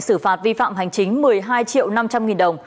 xử phạt vi phạm hành chính một mươi hai triệu năm trăm linh nghìn đồng